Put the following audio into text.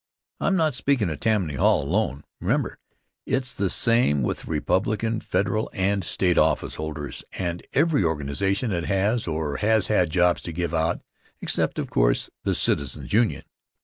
I'm not speakin' of Tammany Hall alone, remember! It's the same with the Republican Federal and State officeholders, and every organization that has or has had jobs to give out except, of course, the Citizens' Union.